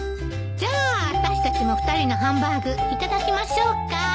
じゃあ私たちも２人のハンバーグいただきましょうか。